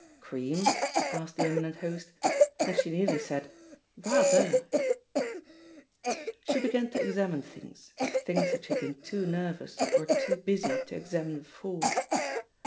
"Cream?" asked the eminent host; and she nearly said, "Rather!" She began to examine things, things that she had been too nervous, or too busy, to examine before.